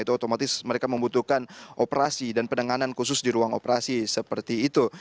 itu otomatis mereka membutuhkan operasi dan penanganan khusus di ruang operasi seperti itu